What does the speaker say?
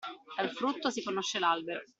Dal frutto si conosce l'albero.